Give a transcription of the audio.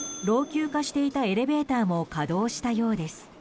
老朽化していたエレベーターも稼働したようです。